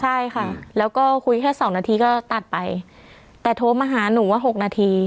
ใช่ค่ะแล้วก็คุยแค่สองนาทีก็ตัดไปแต่โทรมาหาหนูว่า๖นาที